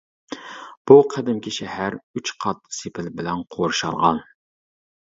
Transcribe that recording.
بۇ قەدىمكى شەھەر ئۈچ قات سېپىل بىلەن قورشالغان.